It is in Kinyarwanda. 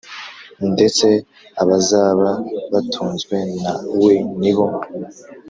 Ndetse abazaba batunzwe na we ni bo